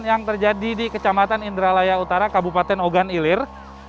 yang terjadi di kecamatan indralaya utara kabupaten ogan ilir